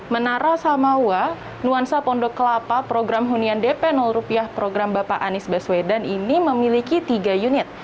menara samawa nuansa pondok kelapa program hunian dp rupiah program bapak anies baswedan ini memiliki tiga unit